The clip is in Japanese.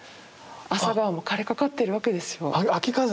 朝顔も枯れかかっているわけですよ。